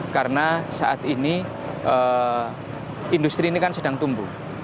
karena saat ini industri ini kan sedang tumbuh